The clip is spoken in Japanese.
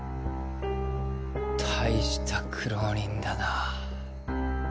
大した苦労人だな。